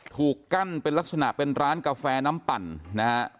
ถูกกั้นเป็นลักษณะเป็นร้านกาแฟน้ำปั่นนะฮะ